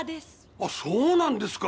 あっそうなんですか！